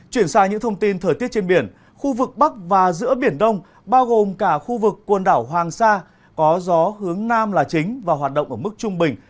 chuyển sang những thông tin thời tiết trên biển khu vực bắc và giữa biển đông bao gồm cả khu vực quần đảo hoàng sa có gió hướng nam là chính và hoạt động ở mức trung bình